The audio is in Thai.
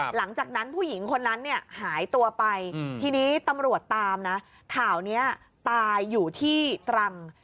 หลังจากนั้นผู้หญิงคนนั้นเนี่ยหายตัวไปทีนี้ตำรวจตามนะข่าวนี้ตายอยู่ที่ตรัง